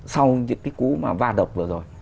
sau những cái cú mà va độc vừa rồi